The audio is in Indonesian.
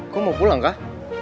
kau mau pulang kah